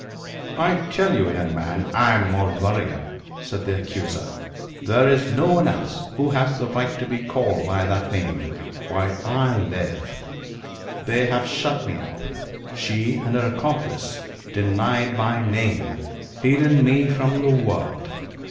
'I tell you, young man, I am Maulevrier,' said the accuser; 'there is no one else who has a right to be called by that name, while I live. They have shut me up she and her accomplice denied my name hidden me from the world.